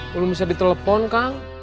belum bisa ditelepon kang